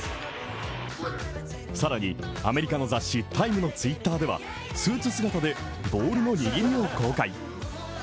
更にアメリカの雑誌「タイム」のＴｗｉｔｔｅｒではスーツ姿でボールの握りを公開。